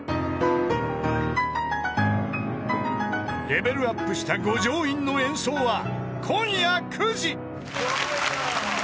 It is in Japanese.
［レベルアップした五条院の演奏は今夜９時］